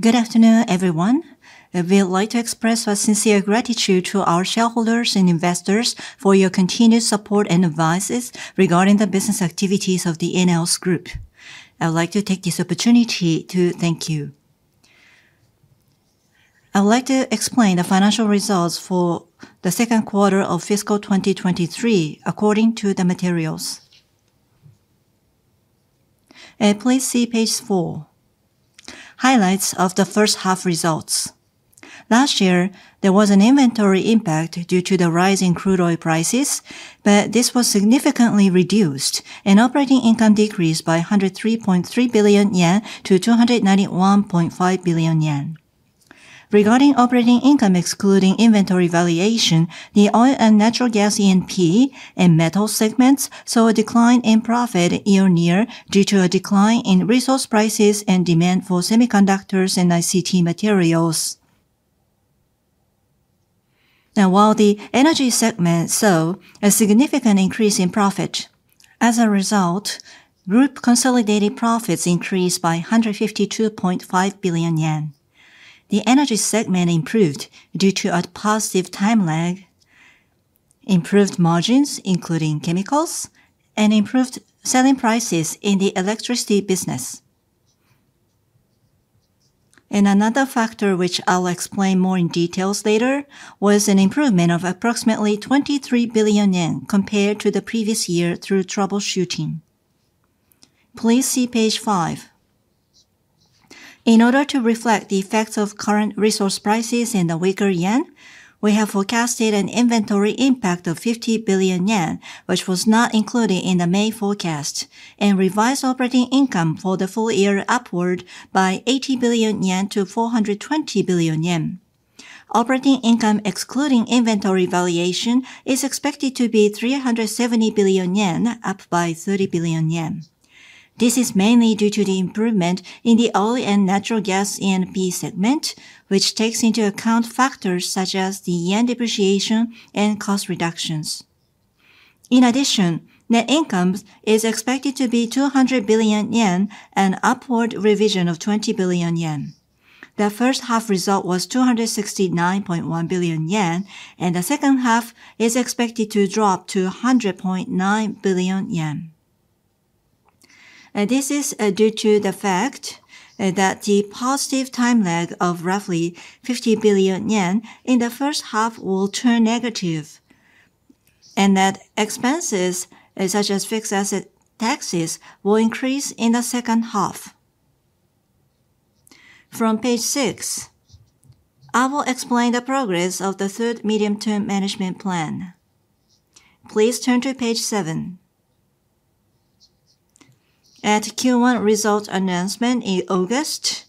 Good afternoon, everyone. I would like to express our sincere gratitude to our shareholders and investors for your continued support and advice regarding the business activities of the ENEOS Group. I would like to take this opportunity to thank you. I would like to explain the financial results for the Q2 of fiscal 2023 according to the materials. Please see page 4, highlights of the first half results. Last year, there was an inventory impact due to the rise in crude oil prices, but this was significantly reduced, and operating income decreased by 103.3 billion yen to 291.5 billion yen. Regarding operating income, excluding inventory valuation, the oil and natural gas E&P and metal segments saw a decline in profit year-on-year due to a decline in resource prices and demand for semiconductors and ICT materials. Now, while the energy segment saw a significant increase in profit, as a result, group consolidated profits increased by 152.5 billion yen. The energy segment improved due to a positive time lag, improved margins, including chemicals, and improved selling prices in the electricity business. Another factor, which I'll explain more in detail later, was an improvement of approximately 23 billion yen compared to the previous year through troubleshooting. Please see page 5. In order to reflect the effects of current resource prices in the weaker yen, we have forecasted an inventory impact of 50 billion yen, which was not included in the May forecast, and revised operating income for the full year upward by 80 billion yen to 420 billion yen. Operating income, excluding inventory valuation, is expected to be 370 billion yen, up by 30 billion yen. This is mainly due to the improvement in the oil and natural gas E&P segment, which takes into account factors such as the yen depreciation and cost reductions. In addition, net income is expected to be 200 billion yen, an upward revision of 20 billion yen. The first half result was 269.1 billion yen, and the second half is expected to drop to 100.9 billion yen. This is due to the fact that the positive time lag of roughly 50 billion yen in the first half will turn negative, and that expenses, such as fixed asset taxes, will increase in the second half. From page 6, I will explain the progress of the third medium-term management plan. Please turn to page 7. At Q1 results announcement in August,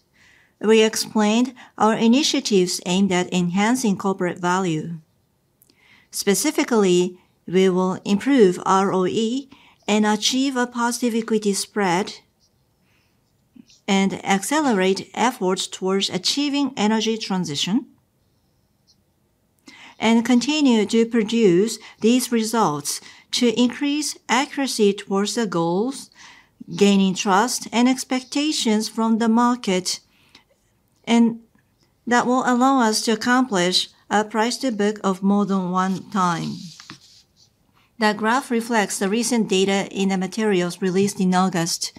we explained our initiatives aimed at enhancing corporate value. Specifically, we will improve ROE and achieve a positive equity spread, and accelerate efforts towards achieving energy transition, and continue to produce these results to increase accuracy towards the goals, gaining trust and expectations from the market, and that will allow us to accomplish a price-to-book of more than 1 time. The graph reflects the recent data in the materials released in August.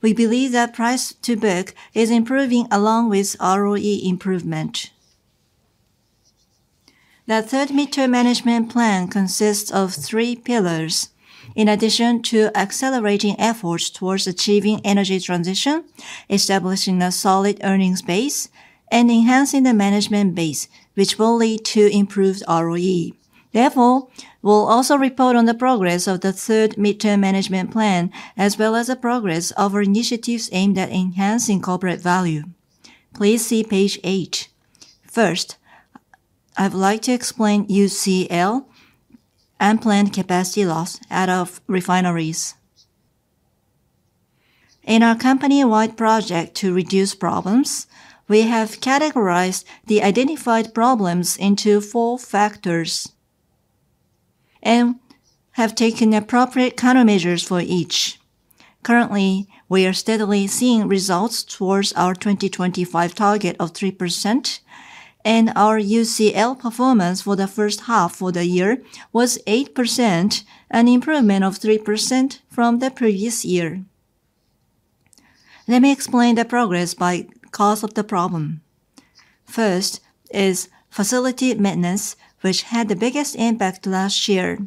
We believe that price-to-book is improving along with ROE improvement. The third mid-term management plan consists of 3 pillars: in addition to accelerating efforts towards achieving energy transition, establishing a solid earnings base, and enhancing the management base, which will lead to improved ROE. Therefore, we'll also report on the progress of the third mid-term management plan, as well as the progress of our initiatives aimed at enhancing corporate value. Please see page 8. First, I would like to explain UCL and planned capacity loss out of refineries. In our company-wide project to reduce problems, we have categorized the identified problems into four factors and have taken appropriate countermeasures for each. Currently, we are steadily seeing results towards our 2025 target of 3%, and our UCL performance for the first half for the year was 8%, an improvement of 3% from the previous year. Let me explain the progress by cause of the problem. First is facility maintenance, which had the biggest impact last year.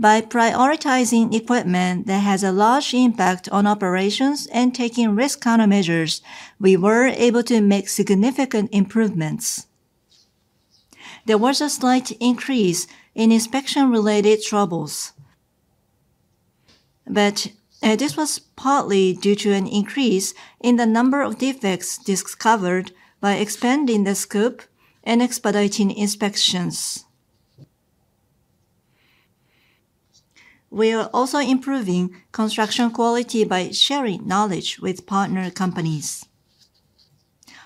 By prioritizing equipment that has a large impact on operations and taking risk countermeasures, we were able to make significant improvements. There was a slight increase in inspection-related troubles, but this was partly due to an increase in the number of defects discovered by expanding the scope and expediting inspections. We are also improving construction quality by sharing knowledge with partner companies....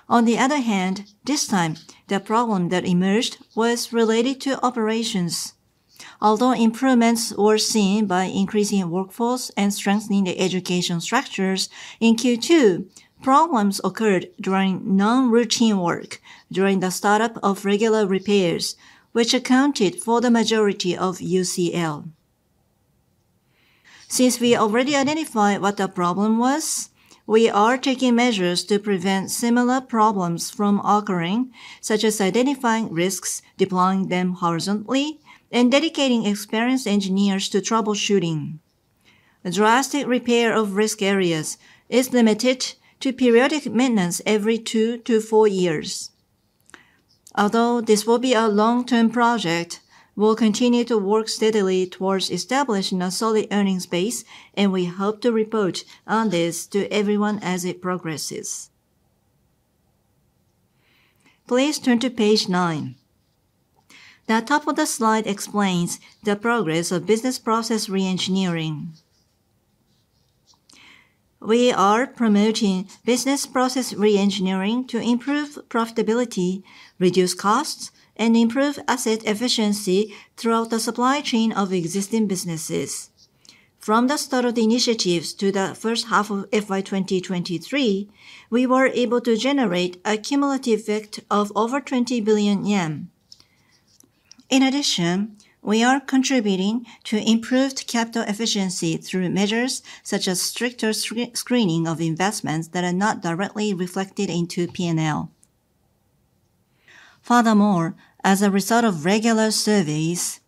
On the other hand, this time, the problem that emerged was related to operations. Although improvements were seen by increasing workforce and strengthening the education structures in Q2, problems occurred during non-routine work during the startup of regular repairs, which accounted for the majority of UCL. Since we already identified what the problem was, we are taking measures to prevent similar problems from occurring, such as identifying risks, deploying them horizontally, and dedicating experienced engineers to troubleshooting. A drastic repair of risk areas is limited to periodic maintenance every two to four years. Although this will be a long-term project, we'll continue to work steadily towards establishing a solid earnings base, and we hope to report on this to everyone as it progresses. Please turn to page nine. The top of the slide explains the progress of business process reengineering. We are promoting business process reengineering to improve profitability, reduce costs, and improve asset efficiency throughout the supply chain of existing businesses. From the start of the initiatives to the first half of FY 2023, we were able to generate a cumulative effect of over 20 billion yen. In addition, we are contributing to improved capital efficiency through measures such as stricter screening of investments that are not directly reflected into P&L. Furthermore, as a result of regular surveys,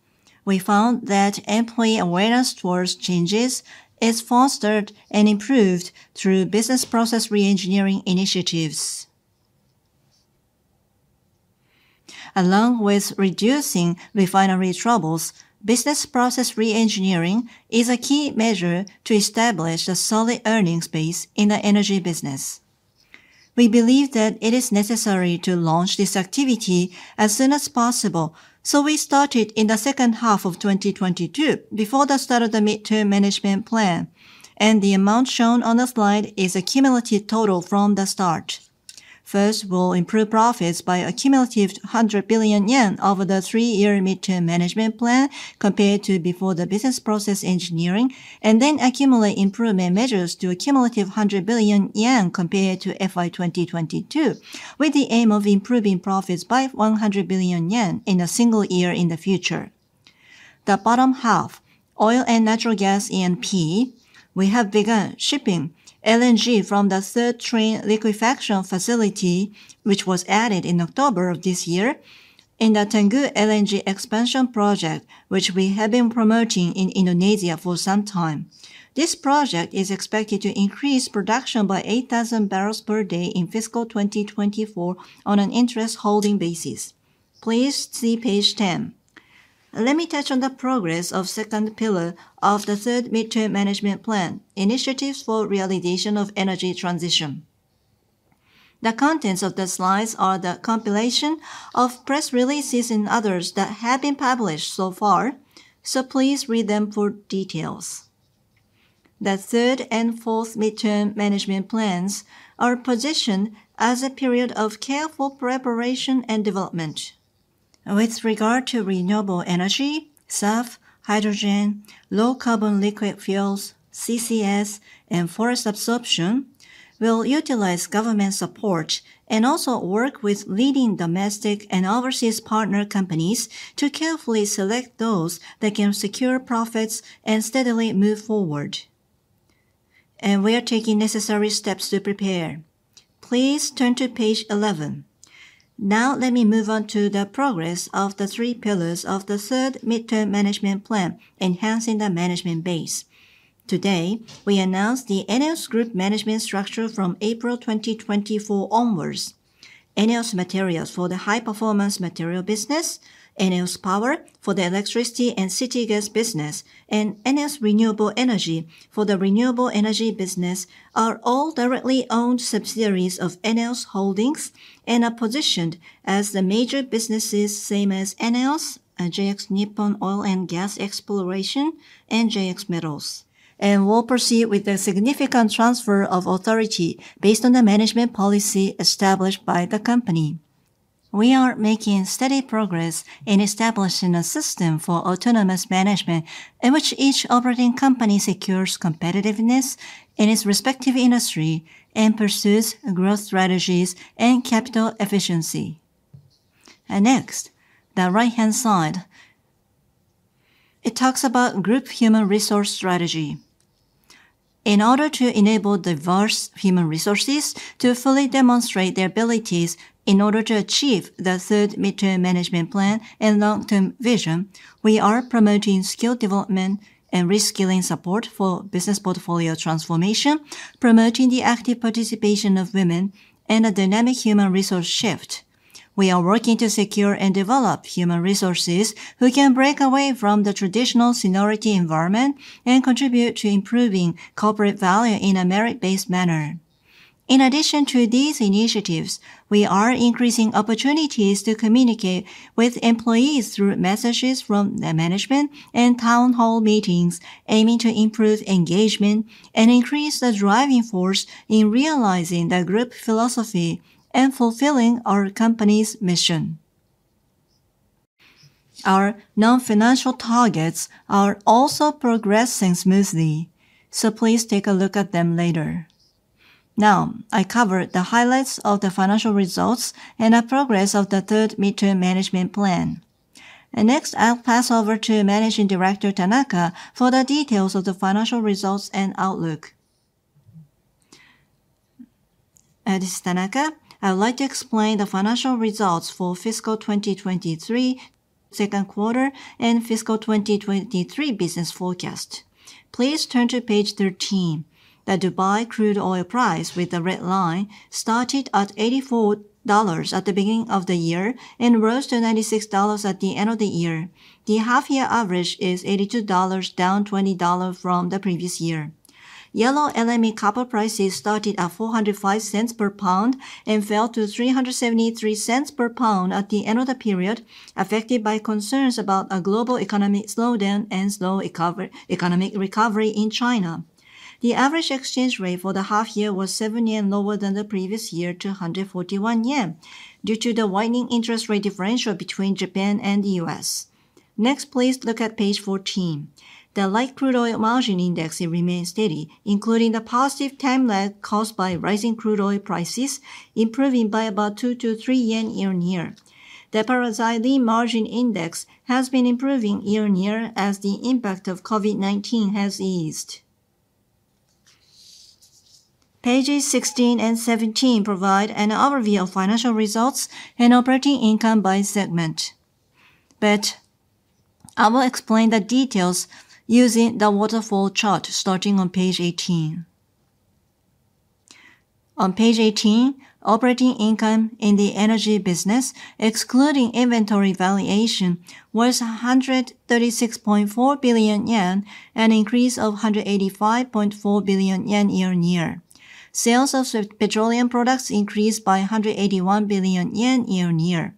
we found that employee awareness towards changes is fostered and improved through business process reengineering initiatives. Along with reducing refinery troubles, business process reengineering is a key measure to establish a solid earnings base in the energy business. We believe that it is necessary to launch this activity as soon as possible, so we started in the second half of 2022, before the start of the midterm management plan, and the amount shown on the slide is a cumulative total from the start. First, we'll improve profits by a cumulative 100 billion yen over the 3-year midterm management plan, compared to before the business process reengineering, and then accumulate improvement measures to a cumulative 100 billion yen compared to FY 2022, with the aim of improving profits by 100 billion yen in a single year in the future. The bottom half, oil and natural gas, E&P. We have begun shipping LNG from the 3rd train liquefaction facility, which was added in October of this year, in the Tangguh LNG expansion project, which we have been promoting in Indonesia for some time. This project is expected to increase production by 8,000 barrels per day in fiscal 2024 on an interest-holding basis. Please see page 10. Let me touch on the progress of second pillar of the third midterm management plan, initiatives for realization of energy transition. The contents of the slides are the compilation of press releases and others that have been published so far, so please read them for details. The third and fourth midterm management plans are positioned as a period of careful preparation and development. With regard to renewable energy, SAF, hydrogen, low-carbon liquid fuels, CCS, and forest absorption, we'll utilize government support and also work with leading domestic and overseas partner companies to carefully select those that can secure profits and steadily move forward, and we are taking necessary steps to prepare. Please turn to page 11. Now, let me move on to the progress of the three pillars of the third midterm management plan, enhancing the management base. Today, we announced the ENEOS Group management structure from April 2024 onwards. ENEOS Materials for the high-performance material business, ENEOS Power for the electricity and city gas business, and ENEOS Renewable Energy for the renewable energy business are all directly owned subsidiaries of ENEOS Holdings and are positioned as the major businesses, same as ENEOS, JX Nippon Oil & Gas Exploration, and JX Metals. And we'll proceed with a significant transfer of authority based on the management policy established by the company. We are making steady progress in establishing a system for autonomous management, in which each operating company secures competitiveness in its respective industry and pursues growth strategies and capital efficiency. And next, the right-hand side, it talks about group human resource strategy. In order to enable diverse human resources to fully demonstrate their abilities, in order to achieve the third midterm management plan and long-term vision, we are promoting skill development and reskilling support for business portfolio transformation, promoting the active participation of women, and a dynamic human resource shift. We are working to secure and develop human resources who can break away from the traditional seniority environment and contribute to improving corporate value in a merit-based manner. In addition to these initiatives, we are increasing opportunities to communicate with employees through messages from the management and town hall meetings, aiming to improve engagement and increase the driving force in realizing the group philosophy and fulfilling our company's mission. Our non-financial targets are also progressing smoothly, so please take a look at them later. Now, I covered the highlights of the financial results and the progress of the third midterm management plan. Next, I'll pass over to Managing Director Tanaka for the details of the financial results and outlook. This is Tanaka. I would like to explain the financial results for fiscal 2023, Q2, and fiscal 2023 business forecast. Please turn to page 13. The Dubai crude oil price, with the red line, started at $84 at the beginning of the year and rose to $96 at the end of the year. The half-year average is $82, down $20 from the previous year. Yellow LME copper prices started at 405 cents per pound and fell to 373 cents per pound at the end of the period, affected by concerns about a global economic slowdown and slow economic recovery in China. The average exchange rate for the half year was 7 yen lower than the previous year to JPY 141, due to the widening interest rate differential between Japan and the U.S. Next, please look at page 14. The light crude oil margin index remains steady, including the positive time lag caused by rising crude oil prices, improving by about 2-3 yen year-on-year. The paraxylene margin index has been improving year-on-year as the impact of COVID-19 has eased. Pages 16 and 17 provide an overview of financial results and operating income by segment, but I will explain the details using the waterfall chart starting on page 18. On page 18, operating income in the energy business, excluding inventory valuation, was 136.4 billion yen, an increase of 185.4 billion yen year-on-year. Sales of petroleum products increased by 181 billion yen year-on-year.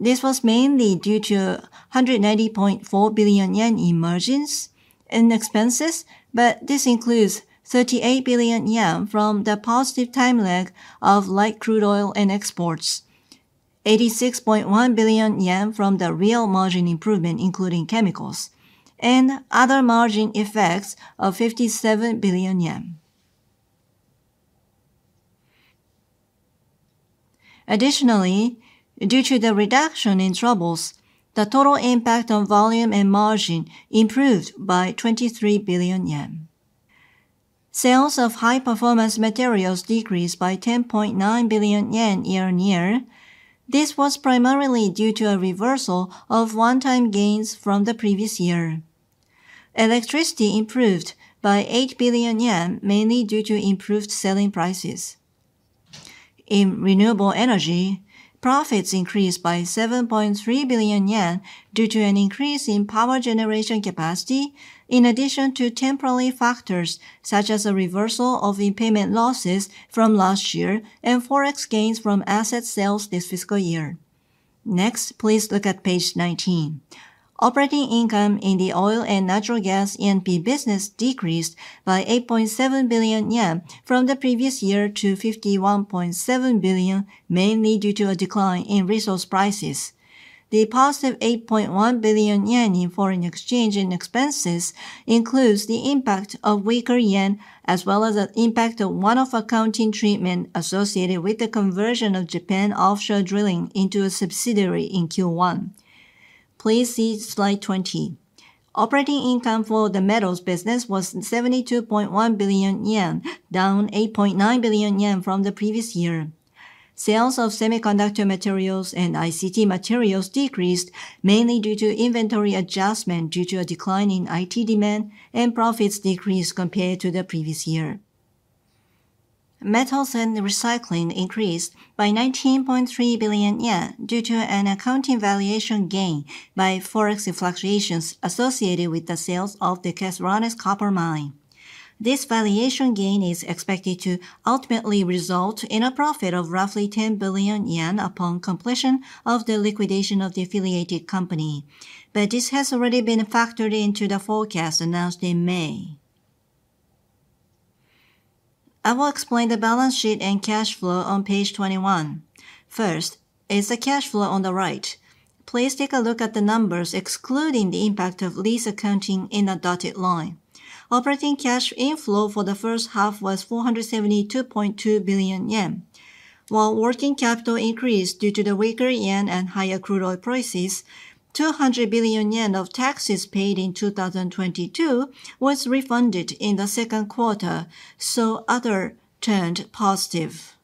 This was mainly due to 190.4 billion yen in margins and expenses, but this includes 38 billion yen from the positive time lag of light crude oil and exports, 86.1 billion yen from the real margin improvement, including chemicals, and other margin effects of 57 billion yen. Additionally, due to the reduction in troubles, the total impact on volume and margin improved by 23 billion yen. Sales of high-performance materials decreased by 10.9 billion yen year-on-year. This was primarily due to a reversal of one-time gains from the previous year. Electricity improved by 8 billion yen, mainly due to improved selling prices. In renewable energy, profits increased by 7.3 billion yen due to an increase in power generation capacity, in addition to temporary factors such as a reversal of the payment losses from last year and forex gains from asset sales this fiscal year. Next, please look at page 19. Operating income in the oil and natural gas E&P business decreased by 8.7 billion yen from the previous year to 51.7 billion, mainly due to a decline in resource prices. The positive 8.1 billion yen in foreign exchange and expenses includes the impact of weaker yen, as well as the impact of one-off accounting treatment associated with the conversion of Japan Drilling into a subsidiary in Q1. Please see slide 20. Operating income for the metals business was 72.1 billion yen, down 8.9 billion yen from the previous year. Sales of semiconductor materials and ICT materials decreased, mainly due to inventory adjustment due to a decline in IT demand and profits decreased compared to the previous year. Metals and recycling increased by 19.3 billion yen due to an accounting valuation gain by forex fluctuations associated with the sales of the Caserones copper mine. This valuation gain is expected to ultimately result in a profit of roughly 10 billion yen upon completion of the liquidation of the affiliated company, but this has already been factored into the forecast announced in May. I will explain the balance sheet and cash flow on page 21. First is the cash flow on the right. Please take a look at the numbers, excluding the impact of lease accounting in a dotted line. Operating cash inflow for the first half was 472.2 billion yen. While working capital increased due to the weaker yen and higher crude oil prices, 200 billion yen of taxes paid in 2022 was refunded in the Q2, so other turned positive.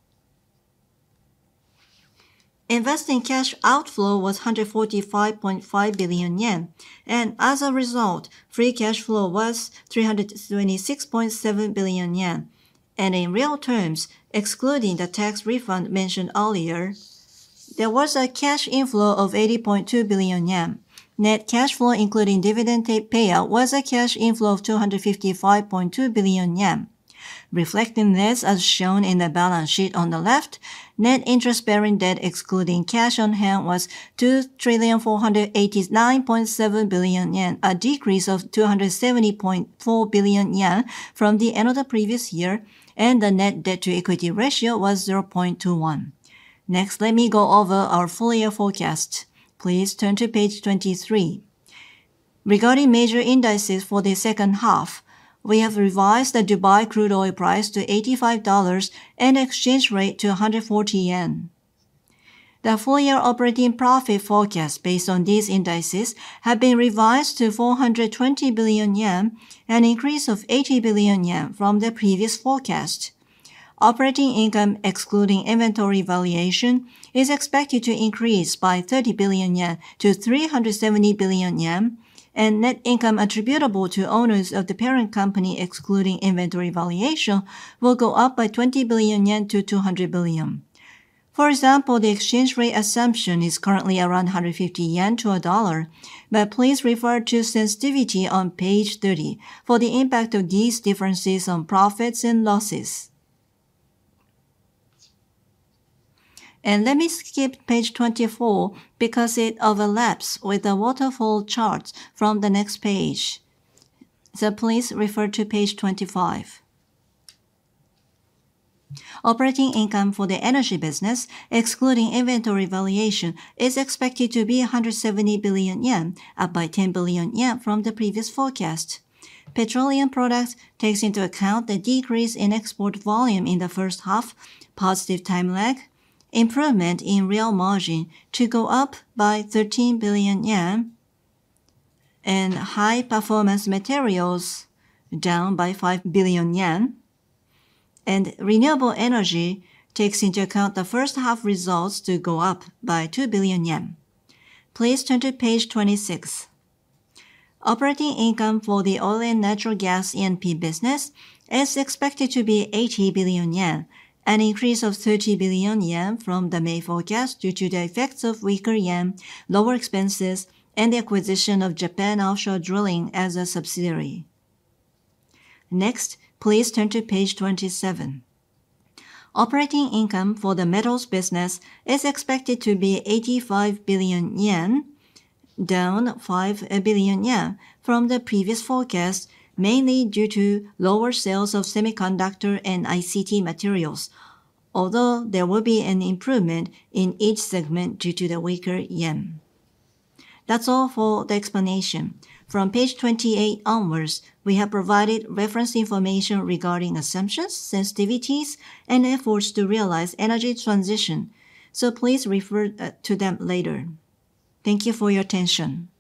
Investing cash outflow was 145.5 billion yen, and as a result, free cash flow was 326.7 billion yen. And in real terms, excluding the tax refund mentioned earlier, there was a cash inflow of 80.2 billion yen. Net cash flow, including dividend payout, was a cash inflow of 255.2 billion yen. Reflecting this, as shown in the balance sheet on the left, net interest-bearing debt, excluding cash on hand, was 2,489.7 billion yen, a decrease of 270.4 billion yen from the end of the previous year, and the net debt-to-equity ratio was 0.21. Next, let me go over our full-year forecast. Please turn to page 23. Regarding major indices for the second half, we have revised the Dubai crude oil price to $85 and exchange rate to 140 yen. The full-year operating profit forecast based on these indices have been revised to 420 billion yen, an increase of 80 billion yen from the previous forecast. Operating income, excluding inventory valuation, is expected to increase by 30 billion yen to 370 billion yen, and net income attributable to owners of the parent company, excluding inventory valuation, will go up by 20 billion yen to 200 billion. For example, the exchange rate assumption is currently around 150 yen to a dollar, but please refer to sensitivity on page 30 for the impact of these differences on profits and losses. Let me skip page 24 because it overlaps with the waterfall chart from the next page. Please refer to page 25. Operating income for the energy business, excluding inventory valuation, is expected to be 170 billion yen, up by 10 billion yen from the previous forecast. Petroleum products takes into account the decrease in export volume in the first half, positive time lag, improvement in real margin to go up by 13 billion yen, and high-performance materials down by 5 billion yen, and renewable energy takes into account the first half results to go up by 2 billion yen. Please turn to page 26. Operating income for the oil and natural gas E&P business is expected to be 80 billion yen, an increase of 30 billion yen from the May forecast due to the effects of weaker yen, lower expenses, and the acquisition of Japan Offshore Drilling as a subsidiary. Next, please turn to page 27. Operating income for the metals business is expected to be 85 billion yen, down 5 billion yen from the previous forecast, mainly due to lower sales of semiconductor and ICT materials, although there will be an improvement in each segment due to the weaker yen. That's all for the explanation. From page 28 onwards, we have provided reference information regarding assumptions, sensitivities, and efforts to realize energy transition. So please refer to them later. Thank you for your attention.